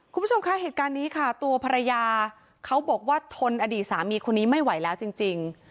คุณผู้ชมคะเหตุการณ์นี้ค่ะตัวภรรยาเขาบอกว่าทนอดีตสามีคนนี้ไม่ไหวแล้วจริง